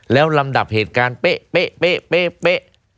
แล้วลำดับเหตุการณ์เป๊ะเป๊ะเป๊ะเป๊ะเป๊ะ